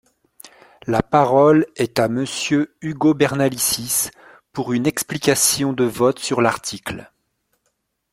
La parole est à Monsieur Ugo Bernalicis, pour une explication de vote sur l’article.